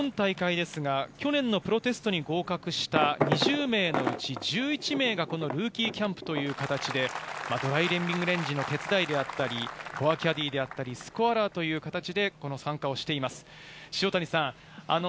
今大会ですが去年のプロテストに合格した２０名のうち１１名がルーキーキャンプという形で、ドライビングレンジの手伝いであったり、フォアキャディーであったり、スコアラーといった形で参加しています。